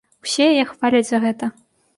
Усе яе хваляць за гэта.